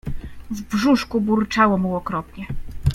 W brzuszku burczało mu okropnie.